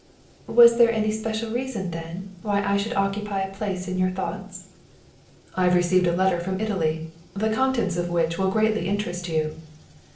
"Was there any special reason, then, why I should occupy a place in your thoughts?" "I have received a letter from Italy, the contents of which will greatly interest you."